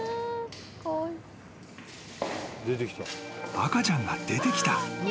［赤ちゃんが出てきた］